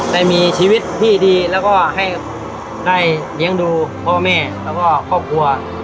ได้มีชีวิตที่ดีแล้วก็ให้ได้เลี้ยงดูพ่อแม่แล้วก็ครอบครัว